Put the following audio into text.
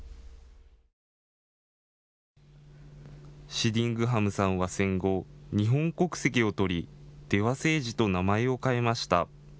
シディングハムさんは戦後、日本国籍を取り出羽誠司と名前を変えました。